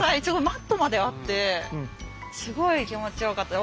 マットまであってすごい気持ちよかった。